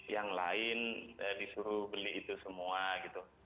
yang lain disuruh beli itu semua gitu